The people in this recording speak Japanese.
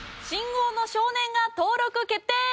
信号の少年が登録決定！